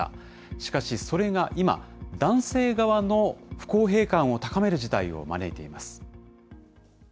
しかし、それが今、男性側の不公平感を高める事態を招いています。